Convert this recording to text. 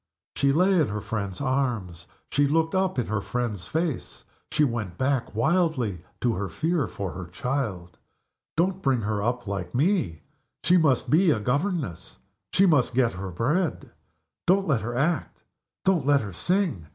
She lay in her friend's arms; she looked up in her friend's face; she went back wildly to her fear for her child. "Don't bring her up like Me! She must be a governess she must get her bread. Don't let her act! don't let her sing!